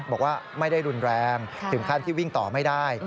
บอกว่าไม่ได้รุนแรงถึงขั้นที่วิ่งต่อไม่ได้